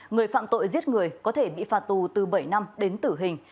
người phạm tội giết người có thể bị phạt tù từ bảy năm đến tử hình